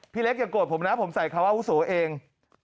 พี่เล็กอย่าโกรธผมนะผมใส่คำอาวุโสเอง